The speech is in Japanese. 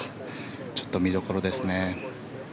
ちょっと見どころですね。